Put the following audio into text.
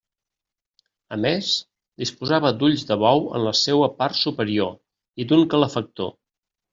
A més, disposava d'ulls de bou en la seua part superior, i d'un calefactor.